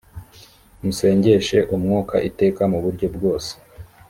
musengeshe umwuka iteka mu buryo bwose